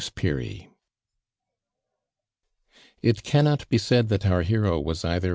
CHAPTER XV. It cannot be said that oin liero was either